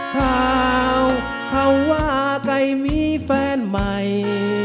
ข่าวข่าวว่าใกล้มีแฟนใหม่